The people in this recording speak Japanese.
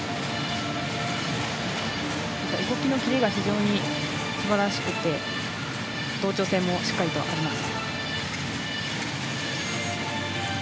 動きのキレが非常にすばらしくて同調性もしっかりあります。